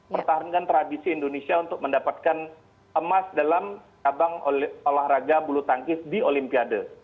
pertahankan tradisi indonesia untuk mendapatkan emas dalam cabang olahraga bulu tangkis di olimpiade